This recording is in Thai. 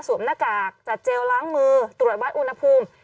หน้ากากจัดเจลล้างมือตรวจวัดอุณหภูมิ